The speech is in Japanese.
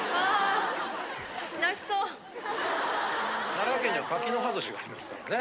奈良県には柿の葉寿司がありますからね。